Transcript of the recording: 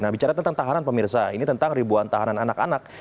nah bicara tentang tahanan pemirsa ini tentang ribuan tahanan anak anak